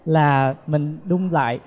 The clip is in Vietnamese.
là mình đun lại